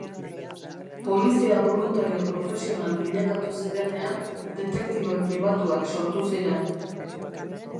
Polizia boluntario profesional bilakatu zirenean detektibe pribatuak sortu ziren.